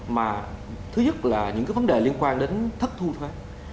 mà thứ nhất là những cái vấn đề liên quan đến thất thu thuế